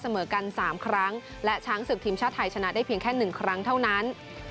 เสมอกัน๓ครั้งและช้างศึกทีมชาติไทยชนะได้เพียงแค่๑ครั้งเท่านั้น